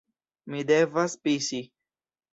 Mi devas pisi